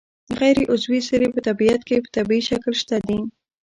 غیر عضوي سرې په طبیعت کې په طبیعي شکل شته دي.